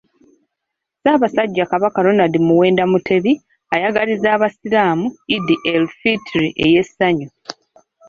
Ssaabasajja Kabaka Ronald Muwenda Mutebi, ayagalizza Abasiraamu Eid el Fitri ey'essanyu